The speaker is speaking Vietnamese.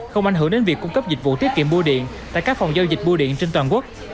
không ảnh hưởng đến việc cung cấp dịch vụ tiết kiệm bu điện tại các phòng giao dịch bô điện trên toàn quốc